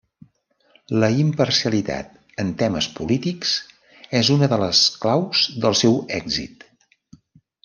La imparcialitat en temes polítics, és una de les claus del seu èxit.